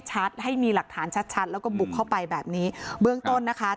ให้มีหลักฐานชัดชัดแล้วก็บุกเข้าไปแบบนี้เบื้องต้นนะคะ